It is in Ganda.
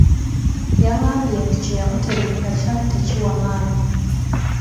Yangambye nti kye yamuterekera kyali tekiwa maanyi.